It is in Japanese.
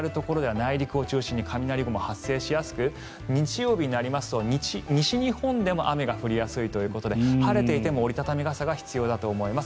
内陸では雷雲が発生しやすく日曜日になりますと、西日本でも雨が降りやすいということで晴れていても折り畳み傘が必要だと思います。